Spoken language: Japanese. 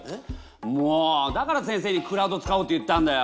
もうだから先生にクラウド使おうって言ったんだよ。